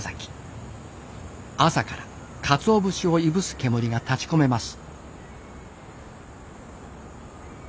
朝からかつお節をいぶす煙が立ちこめます。